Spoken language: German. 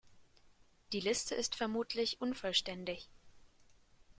Die Liste ist vermutlich unvollständig.